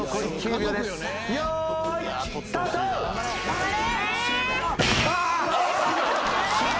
頑張れ。